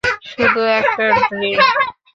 শুধু একটা ড্রিংক।